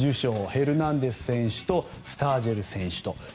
ヘルナンデス選手とスタージェル選手と。